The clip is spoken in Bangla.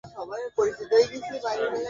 সেও শিখে যাবে।